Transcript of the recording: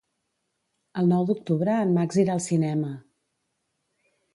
El nou d'octubre en Max irà al cinema.